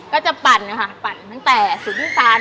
ก็จะปั่นค่ะปั่นตั้งแต่ศูนย์ศาล